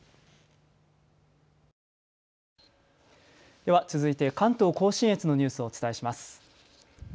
では続いて関東甲信越のニュースをお伝えします。